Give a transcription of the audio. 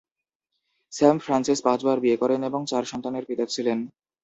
Sam Francis পাঁচবার বিয়ে করেন এবং চার সন্তানের পিতা ছিলেন।